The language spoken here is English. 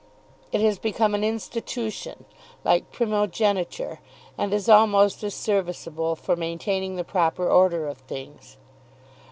It has become an institution, like primogeniture, and is almost as serviceable for maintaining the proper order of things.